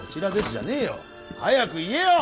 じゃねえよ早く言えよ！